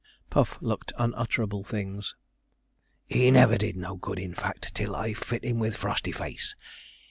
Puff looked unutterable things. 'He never did no good, in fact, till I fit him with Frostyface.